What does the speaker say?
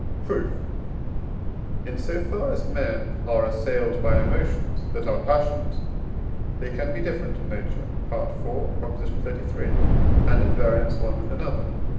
Proof. In so far as men are assailed by emotions that are passions, they can be different in nature (IV. xxxiii.), and at variance one with another.